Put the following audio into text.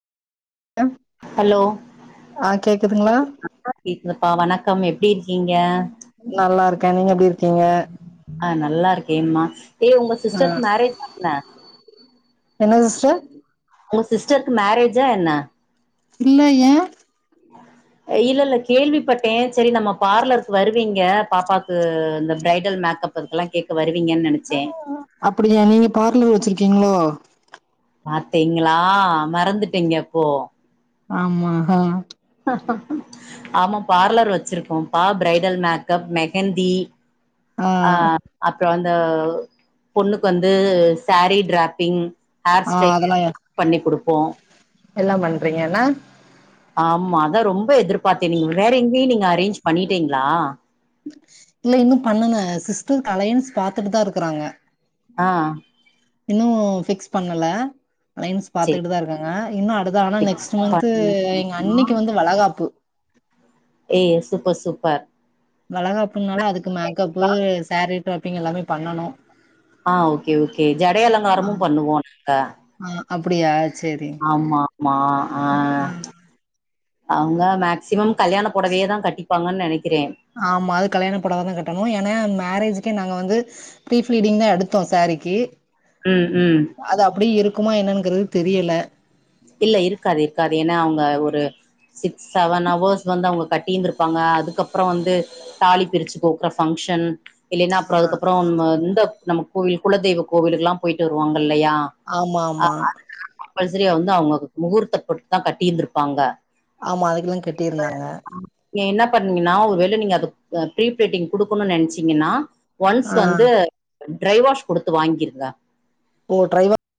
அ hello ஆ கேக்குதுங்களா கேக்குதுப்பா வணக்கம் எப்டி இருக்கீங்க நல்லா இருக்க நீங்க எப்டி இருக்கீங்க ஆ நல்லா இருக்கேம்மா ஏய் உங்க சிஸ்டர் மேரேஜ் தான என்ன சிஸ்டர் உங்க சிஸ்டருக்கு மேரேஜா என்ன இல்ல ஏய இல்ல இல்ல கேள்விப்பட்ட சரி நம்ம பார்லருக்கு வருவீங்க பாப்பாக்கு இந்த பிரைடல் மேக்கப் க்ளா கேட்க வருவீங்கன்னு நெனச்ச அப்டியா நீங்க பார்லர் வச்சிருக்கீங்களோ பாத்திங்களா மறந்துட்டீங்க அப்போ ஆமா ஆ ஆமா பார்லர் வச்சிருக்கோ பா பிரரைடல் மேக்கப் மெஹந்தி ஆ அஹ் அப்பற அந்த பொண்ணுக்கு வந்து சேரீ ட்ராப்பிங் ஹேர் ஆ ஸ்டைல் அதெல்லா பண்ணி குடுப்போ எல்லா பண்றீங்கன ஆமா அதா ரொம்ப எதிர்பாத்த நீங்க வேற எங்கேயு நீங்க அரேஞ்ச் பண்ணிட்டீங்களா இல்ல இன்னு பண்ணல சிஸ்டர்க் லையன்ஸ் பாத்துட்டு தா இருக்கறாங்க ஆ இன்னு பிக்ஸ் பண்ணல அலையன்ஸ் செரி பாத்துக்கிட்டு தா இருக்காங்க இன்னும் அடுத்த ஆனா ஃபிக்ஸ் நெக்ஸ்ட் மந்த் பண்ணி எங்க அன்னிக்கு வந்து வளகாப்பு ஏ சூப்பர் சூப்பர் வலகாப்புனால அதுக்கு மேக்கப்பு சாரீ டாப்பிங் எல்லாமே பண்ணனு ஆ ஓகே ஓகே ஜடை ஆ அலங்காரமும் பண்ணுவோ நாங்க ஆ அப்படியா ஆமா மா ஆ ம் அங்க மேக்சிமம் கல்யாண புடவயே தா கட்டிப்பாங்கன் நனைக்கிறே ஆமா அது கல்யாண புடவ தா கட்டணு ஏன்னா மேரேஜ்கே நாங்க வந்து ப்ரீ ஃபீலிடிங் தா எடுத்தோ சாரிக்கு ம் ம் அது அப்டியே இருக்குமா என்னங்கிறது தெரியல இல்ல இருக்காது இருக்காது ஏன்னா அவுங்க ஒரு சிக்ஸ் செவன் ஹவர்ஸ் வந்து அவங்க கட்டியிருந்திருப்பாங்க அதுக்கப்புறோ வந்து தாலி பிரிச்சு கோக்குற ஃபங்க்ஷன் இல்லைன்னா ஆ அப்புறோ அதுக்கப்புறோ நம்ம இந்தநம்ம கோவில் குலதெய்வ கோவிலுகுல்லா போயிட்டு வருவாங்க இல்லையா ஆமா ஆமா அதுரே வந்து அவுங்க முகூர்த்தப்பட்டு தா கட்டியிருந்திருப்பாங்க ஆமா அதுக்கு தா கட்டியிருந்தாங்க நீங்க என்ன பண்ணீங்கன்னா ஒரு வேள நீங்க அது அ ப்ரீப்ளீட்டிங் குடுக்கணுன்னு நனைச்சீங்கன்னா ஒன்ஸ் ஆ வந்து ட்ரைவாஷ் குடுத்து வாங்கிருங்க ஓ ட்ரை வா